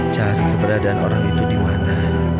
cari keberadaan orang itu dimana